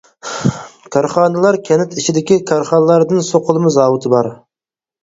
كارخانىلار كەنت ئىچىدىكى كارخانىلاردىن سوقۇلما زاۋۇتى بار.